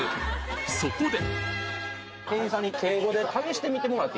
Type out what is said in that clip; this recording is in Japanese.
そこで！